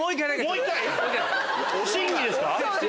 審議ですか？